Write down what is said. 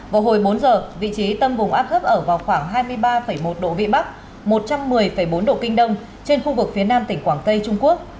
vào hồi bốn giờ vị trí tâm vùng áp thấp ở vào khoảng hai mươi ba một độ vị bắc một trăm một mươi bốn độ kinh đông trên khu vực phía nam tỉnh quảng tây trung quốc